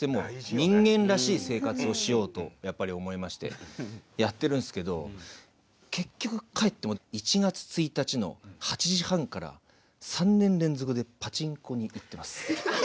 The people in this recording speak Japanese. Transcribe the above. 人間らしい生活をしようとやっぱり思いましてやってるんですけど結局帰っても１月１日の８時半から３年連続でパチンコに行ってます。